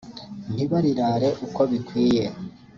ntibarirare uko bikwiye